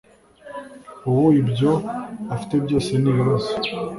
ubu ibyo afite byose ni ibibazo